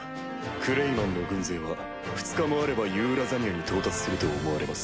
クレイマンの軍勢は２日もあればユーラザニアに到達すると思われます。